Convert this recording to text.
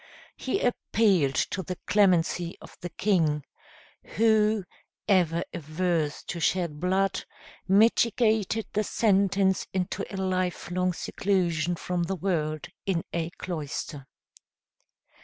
He appealed to the clemency of the king, who, ever averse to shed blood, mitigated the sentence into a lifelong seclusion from the world in a cloister.